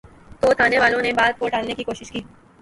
تو تھانے والوں نے بات کو ٹالنے کی کوشش کی۔